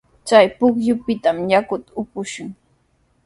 Chay pukyupitami yakuta upunchik.